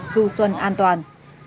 du xuân an toàn